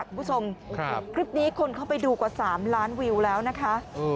คุณผู้ชมคลิปนี้คนเข้าไปดูกว่า๓ล้านวิวแล้วนะคะ